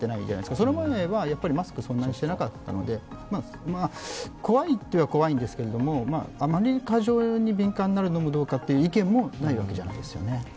それまではマスクをそんなにしていなかったので、怖いといえば怖いんですけど、あまり過剰に敏感になるのもどうかという意見がないわけでもないんですよね。